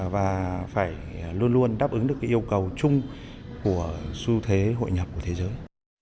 và phải luôn luôn đáp ứng được yêu cầu chung của xu thế hội nhập của thế giới